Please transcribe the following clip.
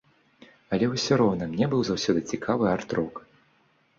Але ўсё роўна мне быў заўсёды цікавы арт-рок.